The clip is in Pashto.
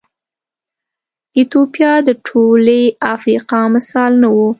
ایتوپیا د ټولې افریقا مثال نه و.